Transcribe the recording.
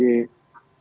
pasti akan berubah